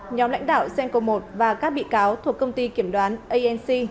nhóm lãnh đạo senco một và các bị cáo thuộc công ty kiểm đoán anc